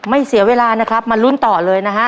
เสียเวลานะครับมาลุ้นต่อเลยนะฮะ